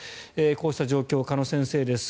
こうした状況を鹿野先生です。